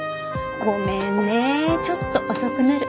ごめんねちょっと遅くなる。